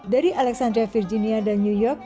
dari alexandra virginia dan new york